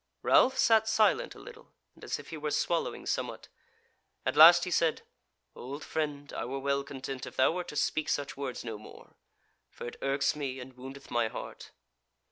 Ralph sat silent a little, and as if he were swallowing somewhat; at last he said: "Old friend, I were well content if thou wert to speak such words no more; for it irks me, and woundeth my heart."